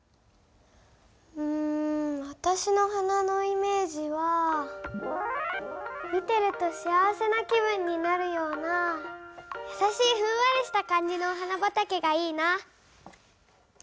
うん私の花のイメージは見てると幸せな気分になるようなやさしいふんわりした感じのお花畑がいいな。